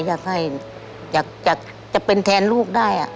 อยากจะเป็นแทนลูกได้